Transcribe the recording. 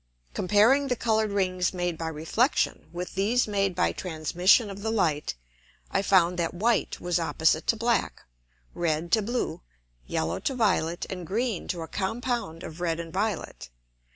Comparing the colour'd Rings made by Reflexion, with these made by transmission of the Light; I found that white was opposite to black, red to blue, yellow to violet, and green to a Compound of red and violet.